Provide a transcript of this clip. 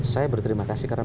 saya berterima kasih karena